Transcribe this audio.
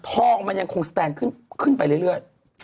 ทองมันยังคงสแตนขึ้นไปเรื่อย